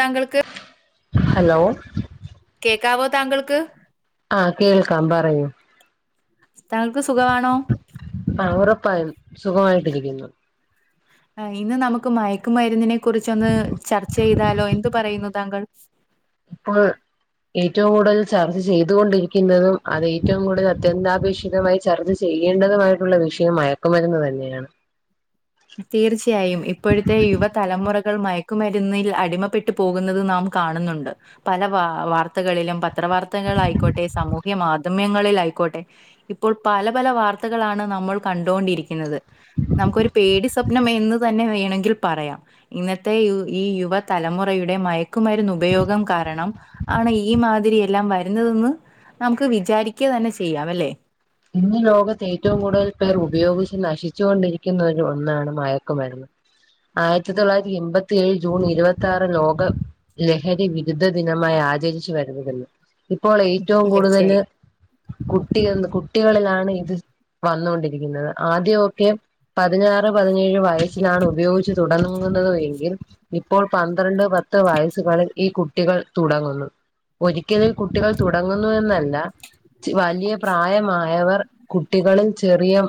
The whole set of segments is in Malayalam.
താങ്കൾക്ക് ഹലോ കേൾക്കാവോ താങ്കൾക്ക് ആ കേൾക്കാം പറയൂ താങ്കൾക്ക് സുഖവാണോ? ആഹ് ഉറപ്പായും സുഖമായിട്ടിരിക്കുന്നു. ആഹ് ഇന്ന് നമുക്ക് മയക്കുമരുന്നിനെ കുറിച്ചൊന്ന് ചർച്ച ചെയ്താലോ എന്ത് പറയുന്നു താങ്കൾ? ഇപ്പൊൾ ഏറ്റവും കൂടുതൽ ചർച്ച ചെയ്ത് കൊണ്ടിരിക്കുന്നതും അത് ഏറ്റവും കൂടുതൽ അത്യന്താപേക്ഷിതമായി ചർച്ചചെയ് ചെയ്യേണ്ടതുമായിട്ടുള്ള വിഷയം മയക്കുമരുന്ന് തന്നെയാണ്. തീർച്ചയായും ഇപ്പോഴത്തെ യുവതലമുറകൾ മയക്കുമരുന്നിൽ അടിമപ്പെട്ടു പോകുന്നത് നാം കാണുന്നുണ്ട് പല വാ വാർ വാർത്തകളിലും പത്രവാർത്തകളായിക്കോട്ടെ സാമൂഹ്യ മാധ്യമങ്ങളിലായിക്കോട്ടെ ഇപ്പോൾ പല പല വാർത്തകളാണ് നമ്മൾ കണ്ടുകൊണ്ടിരിക്കുന്നത് നമുക്കൊരു പേടി സ്വപ്നം എന്ന് തന്നെ വേണങ്കിൽ പറയാം. ഇന്നത്തെ യു ഈ യുവ തലമുറയുടെ മയക്കുമരുന്ന് ഉപയോഗം കാരണം ആണ് ഈ മാതിരി എല്ലാം വരുന്നതെന്ന് നമുക്ക് വിചാരിക്ക തന്നെ ചെയ്യാ വല്ലേ? ഇന്ന് ലോകത്ത് ഏറ്റവും കൂടുതൽ പേർ ഉപയോഗിച്ച് നശിച്ചു കൊണ്ടിരിക്കുന്ന ഒരു ഒന്നാണ് മയക്കുമരുന്ന്. ആയിരത്തി തൊള്ളായിരത്തി എൺപത്തി ഏഴ് ജൂൺ ഇരുപത്തി ആറ് ലോകം ലഹരി വിരുദ്ധ ദിനമായി ആചരിച്ചു വരുന്നതല്ലേ- ഇപ്പോൾ ഏറ്റവും തീർച്ചയായും. കൂടുതല് കുട്ടി കുട്ടികളിലാണ് ഇത് വന്നൊണ്ടിരിക്കുന്നത് ആദ്യൊക്കെ പതിനാറ് പതിനേഴ് വയസ്സിലാണ് ഉപയോഗിച്ച് തുടങ്ങുന്നതു എങ്കിൽ ഇപ്പോൾ പന്ത്രണ്ട് പത്ത് വയസ്സുകളിൽ ഈ കുട്ടികൾ തുടങ്ങുന്നു. ഒരിക്കൽ ഈ കുട്ടികൾ തുടങ്ങുന്നു എന്നല്ല ചി വലിയ പ്രായമാ യവർ കുട്ടികളിൽ ചെറിയം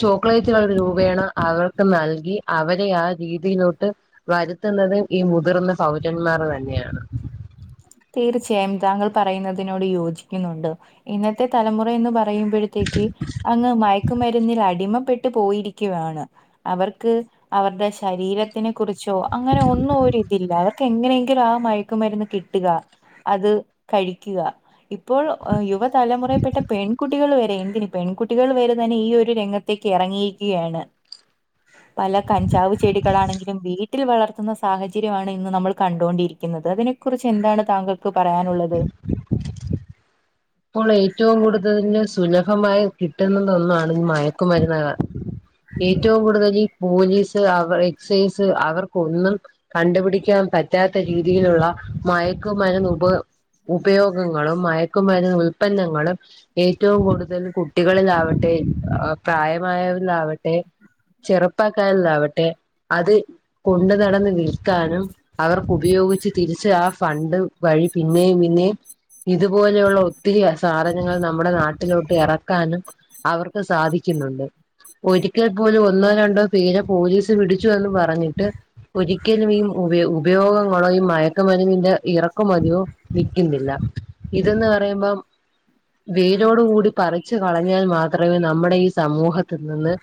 ചോക്ലേറ്റ് കളറ് രൂപയാണ് അവർക്ക് നൽകി അവരെ ആഹ് രീതിയിലോട്ട് വരുത്തുന്നുന്നത് ഈ മുതിർന്ന പൗരന്മാർ തന്നെയാണ്. തീർച്ചയായും താങ്കൾ പറയുന്നതിനോട് യോജിക്കുന്നുണ്ട് ഇന്നത്തെ തലമുറ എന്ന് പറ പറയുമ്പോഴത്തേക്ക് അങ്ങ് മയക്കുമരുന്നിൽ അടിമപ്പെട്ടു പോയിരിക്കുവാണ്. അവർക്ക് അവരുടെ ശരീരത്തിനെ കുറിച്ചോ അങ്ങനെ ഒന്നും ഒരുരിതില്ല അവർക്ക് എങ്ങനെയെങ്കിലും ആഹ് മയക്കുമരുന്ന് കി ട്ട്ക്കാ അത് കഴിക്കുക. ഇപ്പോൾ യുവതലമുറയിൽപ്പെട്ട പെൺകുട്ടികൾ വരെ എന്തിന് പെൺകുട്ടികൾ വേരെ തന്നെ ഈ ഒരു രംഗത്തേക്ക് എറങ്ങിയിരിക്കുകയാണ്. പല കഞ്ചാവ് ചെടികളാണെങ്കിലും വീട്ടിൽ വളർത്തുന്ന സാഹചര്യമാണ് ഇന്ന് നമ്മൾ കണ്ടൊണ്ടിരിക്കുന്നത് അതിനെക്കുറിച്ച് ച്ച് എന്താണ് താങ്കൾക്ക് പറയാനുള്ളത്? [inaudible] ഇപ്പോൾ ഏറ്റവും കൂടുതലിന് സുലഭമായി കിട്ടുന്നത് ഒന്നാണ് മയക്കുമരുന്നുക്കൾ. ഏറ്റവും കൂടുതൽ ഈ പോലീസ് അവർ എക്സൈസ് അവർക്ക് ഒന്നും കണ്ടുപിടിക്കാൻ പറ്റാത്ത രീതിയിലുള്ള മയക്കുമരുന്ന് ഉപ ഉപയോഗങ്ങളും മയക്കുമരുന്ന് ഉൽപന്നങ്ങളും ഏറ്റവും കൂടുതൽ കുട്ടികളിലാവട്ടെ അ പ്രായമായവരിലാവട്ടെ ചെറുപ്പാക്കാരിൽ അവട്ടെ അത് കൊണ്ടു നടന്ന് വിൽക്കാനും അവർക്ക് ഉപയോഗിച്ച് തിരിച്ച് ആ ഫണ്ട് വഴി പിന്നെയും പിന്നെയും ഇതുപോലെയുള്ള ഉൽ ഒത്തിരി ആ സാധനങ്ങൾ നമ്മുടെ നാട്ടിലോട്ട് എറക്കാനും അവർക്ക് സാധിക്കുന്നുണ്ട്. ഒരിക്കൽ പോലും ഒന്നോ രണ്ടോ പേരെ പോലീസ് പിടിച്ചു എന്ന് പറഞ്ഞിട്ട് ഒരിക്കലും ഈ ഉപയ ഉപയോഗങ്ങളണോ ഈ മയക്കുമരുന്നിന്റെ ഇറക്കുമതിയോ നിക്കുന്നില്ല ഇതന്ന് പറയുമ്പം [inaudible] വേരോട് കൂടി പറിച്ചു കളഞ്ഞാൽ മാത്രവേ നമ്മുടെ ഈ സമൂഹത്തിൽ നിന്ന്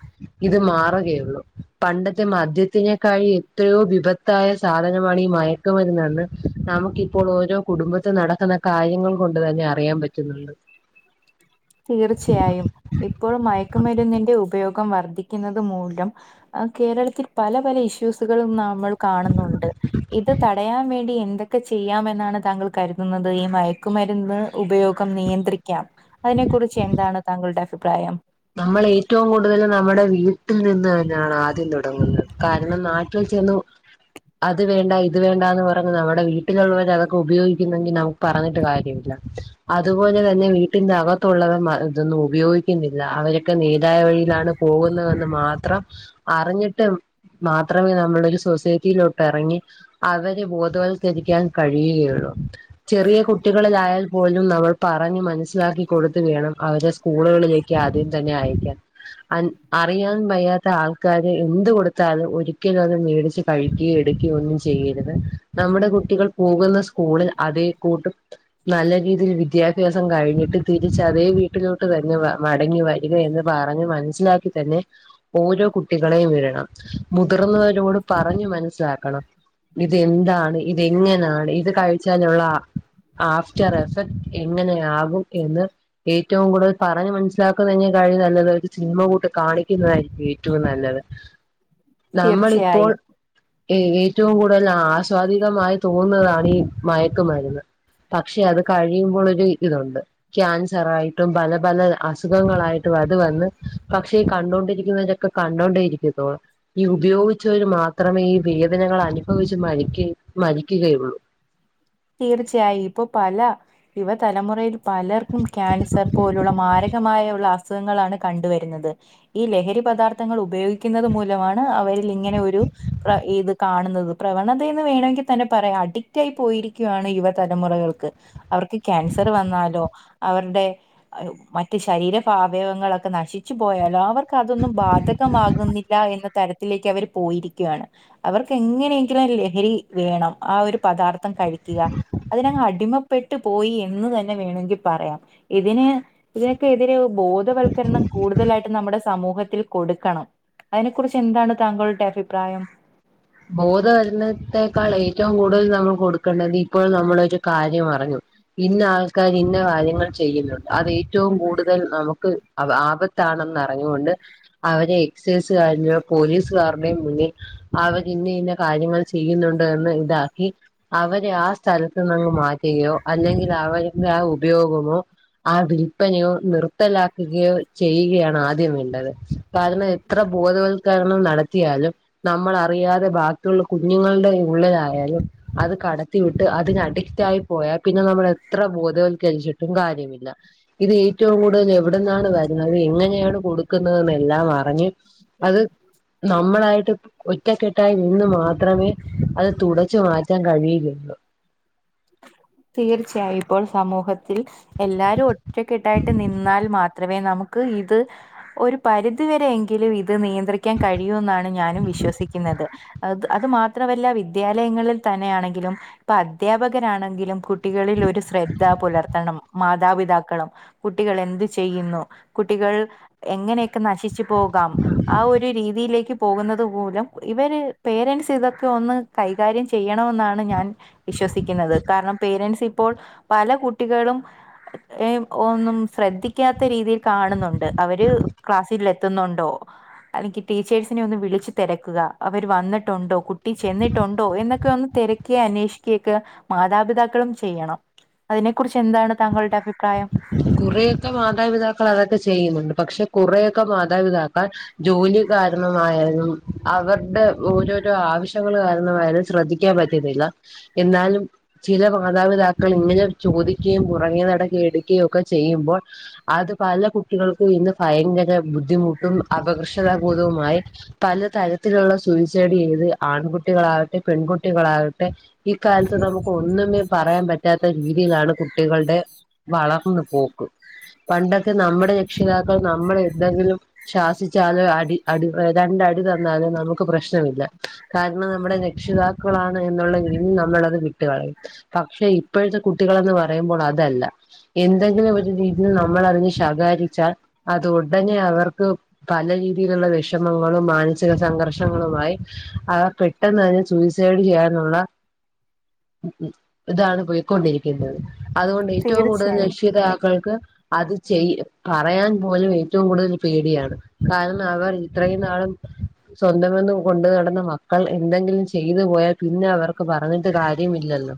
ഇത് മാറുകയുള്ളു. പണ്ടത്തെ മദ്യത്തിനേക്കാഴി എത്രയോ വിപത്ത് ത്തായ സാധനമാണ് ഈ മയക്ക് മരുന്ന് എന്ന് നമുക്കിപ്പോള് ഓരോ കുടുംബത്തിൽ നടക്കുന്ന കാര്യങ്ങൾ കൊണ്ട് തന്നെ അറിയാൻ പറ്റുന്നുണ്ട്. തീർച്ചയായും. ഇപ്പോഴും മയക്കുമരുന്നിന്റെ ഉപയോഗം വർദ്ധിക്കുന്നത് മൂലം ആഹ് കേരളത്തിൽ പല പല ഇഷ്യൂസ് തുകളും നമ്മൾ കാണുന്നുണ്ട്. ഇത് തടയാൻ വേണ്ടി എന്തൊ ക്കെ ചെയ്യാമെന്നാണ് താങ്കൾ കരുതുന്നത്. ഈ മയക്കുമരുന്ന് ഉപയോഗം നിയന്ത്രിക്കാം. അയി നെക്കുറിച്ച് എന്താണ് താങ്കളുടെ അഭിപ്രായം. നമ്മൾ ഏറ്റവും കൂടുതൽ നമ്മുടെ വീട്ടിൽ നിന്ന് തന്നയാണ് ആദ്യം തുടങ്ങുന്നത്. കാരണം ന ട്ടിൽ ചെന്ന് അത് വേണ്ട ഇത് വേണ്ടാന്ന് പറങ്ങുന്നവൾ വീട്ടിലുള്ളവരതൊക്കെ ഉപയോഗിക്കുന്നെങ്ങിനാവും. ന പറഞ്ഞിട്ട് കാര്യമില്ല. അതുപോലെ തന്നെ വീട്ടിന്റെ അകത്തുള്ളവൻ ഇതൊന്നും ഉപയോഗിക്കുന്നില്ല ല്ലാ വരൊക്കെ നേരായ വഴിയിലാണ് പോകുന്നത് എന്ന് മാത്രം അറിഞ്ഞിട്ട് മാത്രമേ നമ്മളൊരു സൊസൈറ്റിയിലോട്ടെറങ്ങി അവരെ ബോധവൽക്കരിക്കാൻ കഴിയുകയുള്ളു. ചെറിയ കുട്ടികളിലായാൽ പോലും നമ്മൾ പറഞ്ഞ് മനസ്സിലാക്കി കൊടുത്ത് വേണം അവരെ സ്കൂളുകളിലേക്ക് ക്ക്യാദ്യം തന്നെ അയക്കാൻ. അൻ അറിയാൻ വയ്യാത്ത ആൾക്കാര് എന്ത് കൊടുത്താലും ഒരിക്കലും അത് മേടിച്ച് കഴിക്കുകയോ എടുക്കുകയോ ഒന്നും ചെയ്യരുത്. നമ്മുടെ കുട്ടികൾ പോകുന്ന സ്കൂള് അതേ കൂട്ടു. നല്ല രീതിയിൽ വിദ്യാഭ്യാസം കഴിഞ്ഞിട്ട് തിരിച്ച് അതേ വീട്ടിലോട്ട് തന്നെ വ മടങ്ങി വരിക എന്ന് പറഞ്ഞ് മനസ്സിലാക്കി തന്നെ ഓരോ കുട്ടികളെയും വിട്ടണം. മുതിർന്നവരോട് പറഞ്ഞു മനസ്സിലാക്കണം. ഇത് എന്താണ് ഇതെങ്ങനാണ് ഇത് കഴിച്ചാലുള്ള ആഫ്റ്റർ എഫക്ട് എങ്ങനെയാകും എന്ന് ഏറ്റവും കൂടുതൽ പറഞ്ഞ് മനസ [inaudible] ലാക്കുന്നഞ്ഞേക്കാളും നല്ലത് ഒരു സിനിമ കൂട്ട് കാണിക്കുന്നതായിരിക്കു ഏറ്റവും നല്ലത് തീർച്ചയായും നമ്മളിപ്പോൾ ഏയ് ഏറ്റവും കൂടുതൽ അസ്വദികമായി തോന്നുന്നതാണീ ഈ മയക്കുമരുന്ന് പക്ഷെ അത് കഴിയുമ്പോളൊരു ഇതുണ്ട്. ക്യാൻസറായിട്ടും പല പല അസു സുഖങ്ങളായിട്ടു അത് വന്ന് പക്ഷേ കന്നോണ്ടിരിക്കുന്നരൊക്കെ കണ്ണോണ്ടേ ഇരിക്കത്തൊളൂ ഈ ഉപയോഗിച്ചവര് മാത്രമേ ഈ വേദനകൾ അനുഭവിച്ച് മരിക്ക മരിക്കുകയുള്ളൂ തീർച്ചയായും ഇപ്പൊ പല- യുവ തലമുറയിൽ പലർക്കും ക്യാൻസർ പോലുള്ള മാരകമായുള്ള അസുഖങ്ങളാണ് കണ്ടുവരുന്നത് ഈ ലഹരി പദാർത്ഥങ്ങൾ ഉപയോഗിക്കുന്നത് മൂലമാണ് അവരിൽ ഇങ്ങനെ ഒരു പ്ര ഇത് കാണുന്നത് പ്രവണതയന്ന് വേണമെങ്കി തന്നെ പറയാം അഡിക്റ്റ് ആയി പോയിരിക് ക്ക്യാണ് യുവതലമുറകൾക്ക് അവർക്ക് ക്യാൻസർ വന്നാലോ അവരുടെ മറ്റ് ശരീരഫ വയങ്ങളൊക്കെ നശിച്ചു പോയാലോ അവർ.. അതൊന്നും ബാധകമാകുന്നില്ല എന്ന തരത്തിലേക്ക് അവർ പോയിരിക്കുകയാണ് അവർക്ക് എങ്ങനെയെങ്കിലും ആ ലഹരി വേണം ആ ഒരു പദാർത്ഥം കഴി [unintelligible] അതിനങ്ങ ടിമപ്പെട്ടു പോയി എന്ന് തന്നെ വേണെങ്കി പറയാം. ഇതിന് ഇതിനൊക്കെ എതിരെ ബോധവൽക്കരണം കൂടുതലായിട്ട് നമ്മുടെ സമൂഹത്തിൽ കൊടുക്കണം അയിനെ കുറിച്ച് എന്താണ് താങ്കളുടെ അഭിപ്രായം ബോധ വരുന്നത്തേക്കാൾ ഏറ്റവും കൂടുതൽ നമ്മൾ കൊടുക്കേണ്ടത് ഇപ്പോൾ നമ്മൾ ഒര് കാര്യമറഞ്ഞു ഇന്ന ആൾക്കാർ ഇന്ന കാര്യങ്ങൾ ചെയ്യുന്നുണ്ട് അത് ഏറ്റവും കൂടുതൽ നമുക്ക് അവ ആപത്താണെന്ന്റിഞ്ഞുകൊണ്ട് അവരെ എക്സൈസുകാറിലൊ പോലീസുകാരുടെയും മുന്നിൽ അവ ഇന്ന ഇന്ന കാര്യങ്ങൾ ചെയ്യുന്നുണ്ടൊ എന്ന് ഇതാക്കി അവരെ ആ സ്ഥലത്തുന്നങ്ങ് മാറ്റുകയോ അല്ലെങ്കിൽ അവരുടെ ആ ഉപയോഗമോ ആ വിൽല്പനയോ നിർത്തലാക്കുകയോ ചെയ്യുകയാണ് ആദ്യം വേണ്ടത് കാരണം എത്ര ബോധവത്ക്കരണം നടത്തിയാലും നമ്മളാ അറിയാതെ ബാക്കിയുള്ള കുഞ്ഞുങ്ങളുടെ ഉള്ളിലായാലും അത് കടത്തി വിട്ട് അതിനഡിക്റ്റായി പൊ പോയാ പിന്നെ നമ്മളത്ര ബോധവൽക്കരിച്ചിട്ടും കാര്യമില്ല ഇത് ഏറ്റവും കൂടുതൽ എവിടന്നാണ് വരുന്നത് എങ്ങനെയാണ് കൊടുക്കുന്നതെന്ന് എല്ലാം അറിഞ്ഞ് അത് നമ്മളായിട്ട് ഓൽ ഒറ്റക്കെട്ടായി നിന്ന് മാത്രമേ അത് തുടച്ചു മാറ്റാൻ കഴിയുകയൊള്ളൂ തീർച്ചയായും ഇപ്പോൾ സമൂഹത്തിൽ എല്ലാരും ഒറ്റക്കെട്ടായിട്ട് നിന്നാൽ മാ ത്രമേ നമുക്ക് ഇത് ഒരു പരിധിവരെ എങ്കിലും ഇത് നിയന്ത്രിക്കാൻ കഴിയൂന്നാണ് ഞാനും വിശ്വസിക്കുന്നത് അത് അത് മാത്രവല്ല വിദ്യാലയങ്ങളിലും തന്നെയാണെങ്കിലും ഇപ്പൊ അദ്യാപക പകര അങ്ങനാണെങ്കിലും കുട്ടികളിൽ ഒരു ശ്രദ്ധ പുലർത്തണം മാതാപിതാക്കളും കുട്ടികൾ എന്തു ചെയ്യുന്നു കുട്ടികൾ എങ്ങനെയൊക്കെ നശി ച്ച് പോകാം ആ ഒരു രീതിയിലേക്ക് പോകുന്നത് മൂലം ഇവര് പേരൻസ് ഇതൊക്കെ ഒന്ന് കൈകാര്യം ചെയ്യണമെന്നാണ് ഞാൻ വിശ്വസിക്കുന്നത് കാരണം പേരൻസ് ഇപ്പോൾ പല കുട്ടികളും ഏ ഒന്നും ശ്രദ്ധിക്കാത്ത രീതിയിൽ കാണുന്നുണ്ട് അവര് ക്ലാസ്സിലെത്തുന്നുണ്ടോ അല്ലെങ്കി ടീച്ചേഴ്സിനെ ഒന്ന് വിളിച്ച് തെരക്കുക അവര് വന്നിട്ടുണ്ടോ കുട്ടി ചെന്നിട്ടുണ്ടോ എന്നൊക്കെ ഒന്ന് തെര ക്യ അന്നെഷിക്കെ ക്കെ മാതാപിതാക്കളും ചെയ്യണം അതിനെ കുറിച്ച് എന്താണ് താങ്കളുടെ അഭിപ്രായം കുറെഒക്കെ മാതാപിതാക്കളതൊക്കെ ചെയ്യുന്നുണ്ട് പക്ഷെ കുറെഒക്കെ മാതാപിതാക്കൾ ജോലി കാരണമായാലും അവർടെ ഓരോരോ ആവശ്യങ്ങള് കാരണമായാലും ശ്രദ്ധിക്കാൻ പറ്റ്ന്നില്ല എന്നാലും ചില മാതാപിതാക്കൾ ഇങ്ങനെ ചോദിക്കയും പുറകെ നട കേടു ക്കി ഒക്കെ ചെയ്യുമ്പോൾ അത് പല കുട്ടികൾക്കും ഇന്ന് ഭയങ്കര ബുദ്ധിമുട്ടും അപകർഷതാ ബോധവുമായി പല തരത്തിലുള്ള സൂയിസൈഡ് ചെയ്ത് ആൺകുട്ടികളാവട്ടെ പെൺകുട്ടികളാവട്ടെ ഈക്കാലത്ത് നമുക്ക് ഒന്നുമേ പറയാൻ പറ്റാത്ത രീതിയിലാണ് കുട്ടികളുടെ വളർന്ന് പോക്ക് പണ്ടൊക്കെ നമ്മുടെ രക്ഷിതാക്കൾ നമ്മൾ എന്തെങ്കിലും ശ്വാസിച്ചാലും അടി അടി രണ്ടടി തന്നാലും നമുക്ക് പ്രശ്നമില്ല കാരണം നമ്മുടെ രക്ഷിതാക്കളാണ് എന്നുള്ള രീതിയിൽ നമ്മളത് വിട്ടുകളയും പക്ഷെ ഇപ്പോഴത്തെ കുട്ടികളെന്ന് പറയുമ്പോൾ അതല്ല എന്തെങ്കിലും ഒരു രീതിയിൽ നമ്മൾ അറിഞ്ഞ് ശകാരിച്ചാൽ അത് ഉടനെ അവർക്ക് പല രീതിയിലുള്ള വിഷമങ്ങളും മാനസിക സംഘർഷങ്ങളുമായി അവ പെ പെട്ടെന്ന് തന്നെ സൂയ്സൈഡ് ചെയ്യാനുള്ള ഉ ഇതാണ് പോയിക്കൊണ്ടിരിക്കുന്നത് അതുകൊണ്ട് ഏറ്റവും കൂടുതൽ തീർച്ചയായും രക്ഷിതാക്കൾക്ക് അത് ചെയ പറയാൻ പോലും ഏറ്റവും കൂടുതൽ പേടിയാണ് കാരണം അവർ ഇത്രയും നാളും സ്വന്തമന്നും കൊണ്ടു നടന്ന മക്കൾ എന്തെങ്കിലും ചെയ്തു പോയാൽ പിന്നെ അവർക്ക് പറഞ്ഞിട്ട് കാര്യമില്ലല്ലോ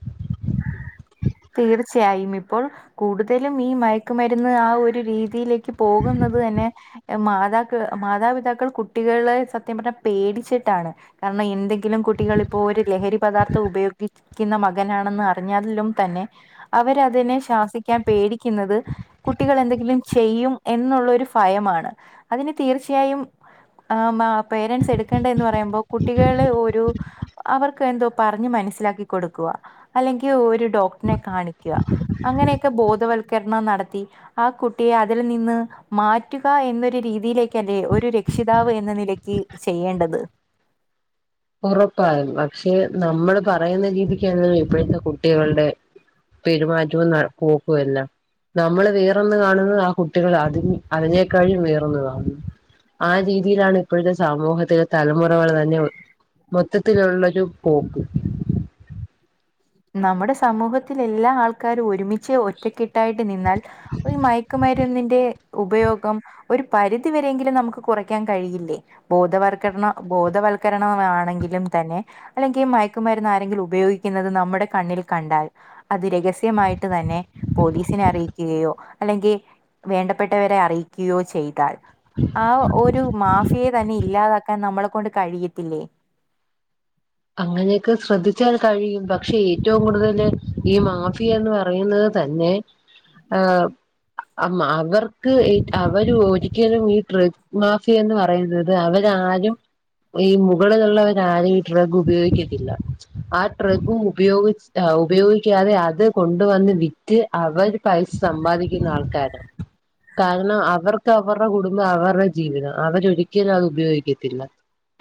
തീർച്ചയായും. ഇപ്പോൾ കൂടുതലും ഈ മയക്കുമരുന്ന് ആ ഒരു രീതിയിലേക്ക് ക്ക് പോകുന്നത് തന്നെ മാതാക്കൾ മാതാപിതാക്കൾ കുട്ടികളെ സത്യം പറഞ്ഞാൽ പേടിച്ചിട്ടാണ് കാരണം എന്തെങ്കിലും കുട്ടികൾ ഇപ്പോഒരു ലഹരി പദാർത്ഥം ഉപയോഗിക്കുന്ന മകനാണെന്ന് അറിഞ്ഞാലും തന്നെ അവരതിനെ ശാസിക്കാൻ പേടിക്കുന്നത് കുട്ടികൾ എന്തെങ്കിലും ചെയ്യും എന്നുള്ളരു ഭയമാണ് അതിന് തീർച്ചയായും പേരൻറ്സ് എടുക്കേണ്ട എന്ന് പറയുമ്പം കുട്ടികളെ ഒരു അവർക്ക് എന്തോ പറഞ്ഞഞ് മനസ്സിലാക്കി കൊടുക്കവാ അല്ലെങ്കിൽ ഒരു നെ കാണിക്കുക അങ്ങനെയൊക്കെ ബോധവൽക്കരണം നടത്തി ആ കുട്ടിയെ അതിൽ നിന്ന് മാറ്റുക എന്നൊരു രീതിയിലേക്ക് അല്ലേ ഒരു രക്ഷിതാവ് എന്ന നിലക്ക് ചെയ്യേണ്ടത് ഉറപ്പായും പക്ഷെ നമ്മള് പറയുന്ന രീതിക്ക ല്ലല്ലോ ഇപ്പോഴത്തെ കുട്ടികളുടെ പെരുമാറ്റവും ന പോക്കും എല്ലാം നമ്മള് വേറൊന്ന് കാണുന്നത് ആ കുട്ടികൾ അതി അതിനേക്കാഴും വേറൊന്ന് കാണുന്നു ആ രീതിയിലാണ് ഇപ്പോഴത്തെ സാമൂഹത്തിലെ തലമുറകൾ തന്നെ മൊത്തത്തിലുള്ളൊരു പോക്ക് നമ്മുടെ സമൂഹത്തിൽ എല്ലാ ആൾക്കാരും ഒരുമിച്ച് ഒ ഒറ്റ ക്കെട്ടായിട്ട് നിന്നാൽഈ മയക്കുമരുന്നിന്റെ ഉപയോഗം ഒരു പരിധിവരെങ്കിലും നമുക്ക് കുറക്കാൻ കഴിയില്ലേ ബോധവൽക്കരണ ബോധവൽക്കരണം ആണെങ്കിലും തന്നെ അല്ലെങ്കിൽ മയക്കുമരുന്ന് ആരെങ്കിലും ഉപയോഗിക്കുന്നത് നമ്മുടെ ടെ കണ്ണിൽ കണ്ടാൽ അത് രഹസ്യമായിട്ട് തന്നെ പോലീസിനെ അറിയിക്കുകയോ അല്ലെങ്കിൽ വേണ്ടപ്പെട്ടവരെ അറിയിക്കുകയോ ചെയ്താൽ ആ ഒരു മാഫിയെ തന്നെ ഇല്ലാതാക്കാൻ നമ്മളെ കൊണ്ട് കഴിയത്തില്ലേ അങ്ങനെയൊക്കെ ശ്രദ്ധിച്ചാൽ കഴിയും പക്ഷെ ഏറ്റവും കൂടുതല് ഈ മാഫിയന്ന് പറയുന്നത് തന്നെ ആഏഹ അ അവർക്ക് അവര് ഒരിക്കലും ഈ ട്രഗ് മാഫിയന്ന് പറയുന്നത് അ അവരാരും ഈ മുകളിലുള്ളവരാരും ട്രഗ ഉപയോഗിക്കത്തില്ല ആ ട്രഗും ഉപയോഗി ഉപയോഗിക്കാതെ അത് കൊണ്ടുവന്ന് വി- വിറ്റ്അവര് പൈസ സമ്പാദിക്കുന്ന ആൾക്കാരാണ് കാരണം അവർക്ക് അവരുടെ കുടുംബം അവരുടെ ജീവിതം അവരൊരിക്കലും അത് ഉപയോഗിക്കത്തില്ല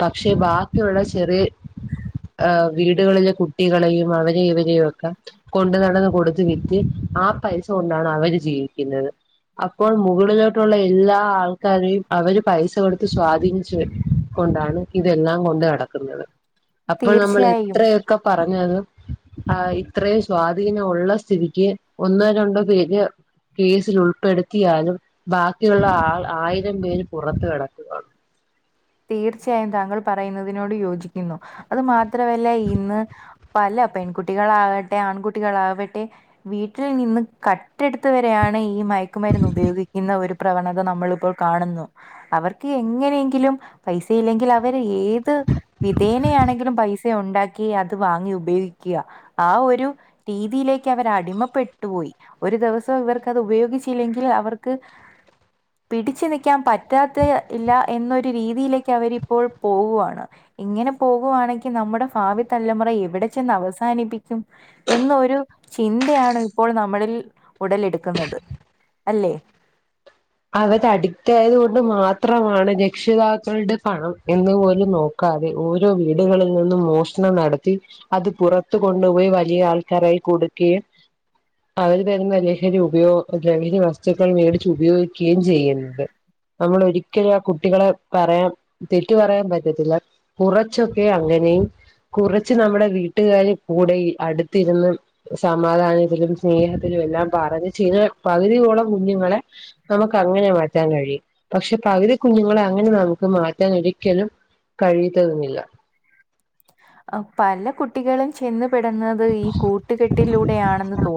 പക്ഷെ ബാക്കിയുള്ള ചെറിയ ആ വീടുകളിലെ കുട്ടികളെയും അവരെ ഇവരെയു ഒക്കെ കൊണ്ടു നടന്ന് കൊടുത്ത് വിറ്റ് ആ പൈസ കൊണ്ടാണ് അവര് ജീവിക്കുന്നത് അപ്പോൾ മുകളിലോട്ടുള്ള എല്ലാ ആൾക്കാരെയും അവര് പൈസ കൊടുത്ത് സ്വാധീനിച്ചു വരും കൊണ്ടാണ് ഇതെല്ലാം കൊണ്ട് നടക്കുന്നത് അപ്പൊ നമ്മൾ തീർച്ചയായും എത്രയൊക്കെ പറഞ്ഞത് ആ ഇത്രയും സ്വാധീനം ഉള്ള സ്ഥിതിക്ക് ഒന്നോ രണ്ടോ പേര് കേസിൽ ഉൾപ്പെടുത്തിയാലും ബാക്കിയുള്ള ആൾ ആയിരം പേര് പുറത്ത് കിടക്കുക തീർച്ചയായും താങ്കൾ പറയുന്നതിനോട് യോജിക്കുന്നു അത് മാത്രമല്ല ഇന്ന് പല പെൺകുട്ടികളാകട്ടെ ആൺകുട്ടികളാവട്ടെ വീട്ടിൽ നിന്ന് ക കട്ടെടുത്ത് വരെയാണ് ഈ മയക്കുമരുന്ന് ഉപയോഗിക്കുന്ന ഒരു പ്രവണത നമ്മളിപ്പോൾ കാണുന്നു അവർക്ക് എങ്ങനെയെങ്കിലും പൈസയില്ലെങ്കിൽ അവര് ഏത് വിധേനയാണെങ്കിലും പൈസ ഉണ്ടാക്കി അത് വാങ്ങി ഉപയോഗിക്കുക ആ ഒരു രീതിയിലേക്ക് അവരടിമപ്പെട്ടുപോയി ഒരു ദിവസം ഇവർക്ക് അത് ഉപയോഗിച്ചില്ലെങ്കിൽ അവർക്ക് പിടിച്ചു നിക്കാൻ പറ്റാത്ത ഇല്ല എന്നൊരു രീതി രീതിയിലേക്ക് അവരിപ്പോൾ പോവുവാണ് ഇങ്ങനെ പോകുവാണെങ്കിൽ നമ്മുടെ ഭാവി തലമുറ എവിടെ ചെന്ന് അവസാനിപ്പിക്കും എന്നൊരു ചിന്തയാണ് ഇപ്പോൾ നമ്മളിൽ ഉടലെടുക്കുന്നത് അല്ലേ അവര് അഡിക്റ്റ് ആയത് കൊണ്ട് മാത്രമാണ് രക്ഷിതാക്കളുടെ പണം എന്ന് പോലും നോക്ക നോക്കാതെ ഓരോ വീടുകളിൽ നിന്നും മോഷണം നടത്തി അത് പുറത്ത് കൊണ്ടുപോയി വലിയ ആൾക്കാര കയ്യി കൊടുക്കേം അവര് തരുന്ന ലഹരി ഉപയോഗ ലഹരി വസ്തുക്കൾ മേടിച്ച് ഉപയോഗി ഉപയോഗിക്കുകയും ചെയ്യുന്നത് നമ്മള് ഒരിക്കലും ആ കുട്ടികളെ പറയാൻ തെറ്റ് പറയാൻ പറ്റത്തില്ല കുറച്ചൊക്കെ അങ്ങനെയും കുറച്ച് നമ്മുടെ വീട്ടുകാർ കൂടെ അടുത്തിരുന്ന് സമാധാനത്തിലും സ്നേഹത്തിലും എല്ലാം പറഞ്ഞ് ചില പകുതിയോളം കുഞ്ഞുങ്ങളെ നമുക്ക് അങ്ങനെ മാറ്റാൻ കഴിയും പക്ഷെ പകുതി കുഞ്ഞുങ്ങളെ അങ്ങനെ നമുക്ക് മാറ്റാൻ ഒരിക്കലും കഴിയുന്നതുമില്ല പല കുട്ടികളും ചെന്ന് പെടുന്നത് ഈ കൂട്ടുകെട്ടിലൂടെയാണെന്ന് തോന്നി